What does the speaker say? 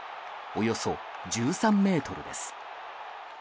およそ１３ｍです。